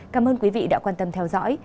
cảm ơn quý vị đã quan tâm theo dõi